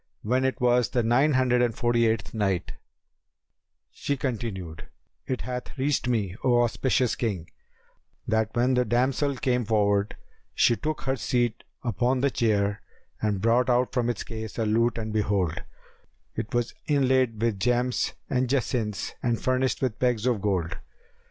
When it was the Nine Hundred and Forty eighth Night, She continued, It hath reached me, O auspicious King, that when the damsel came forward, she took her seat upon the chair and brought out from its case a lute and behold, it was inlaid with gems and jacinths and furnished with pegs of gold.